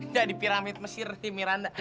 jadi piramid mesir nih miranda